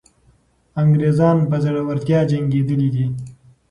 انګریزان په زړورتیا جنګېدلي دي.